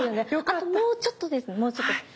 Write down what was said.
あともうちょっとですもうちょっと。